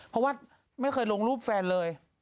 เพราะว่าไม่เคยลงรูปแฟนเลย